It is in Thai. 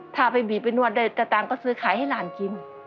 ถ้าไปบีบไปนวดเดินเต็ดเต็ดตังก็ซื้อไข่ให้หลานกิน